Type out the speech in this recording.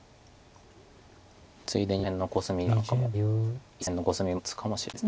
ついでに上辺のコスミなんかも１線のコスミも打つかもしれないです。